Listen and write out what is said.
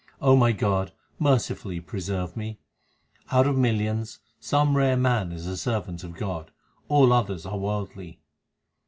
my God, mercifully preserve me. Out of millions some rare man is a servant of God ; all others are worldly.